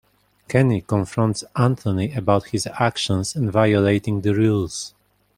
Kenny confronts Anthony about his actions and violating the rules.